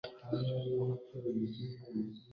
Yesu iumunsiragire; ugire impagarike;